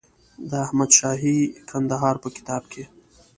د احمدشاهي کندهار په کتاب کې.